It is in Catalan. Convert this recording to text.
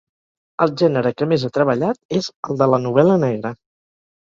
El gènere que més ha treballat és el de la novel·la negra.